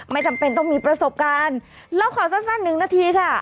จำเป็นต้องมีประสบการณ์เล่าขอสั้นหนึ่งนาทีค่ะ